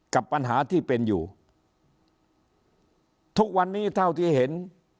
กับปัญหาที่เป็นอยู่ทุกวันนี้เท่าที่เห็น